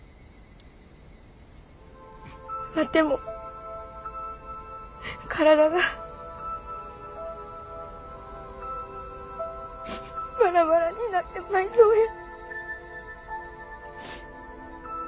ワテも体がバラバラになってまいそうや。